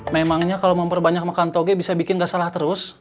memangnya kalau memperbanyak makan toge bisa bikin nggak salah terus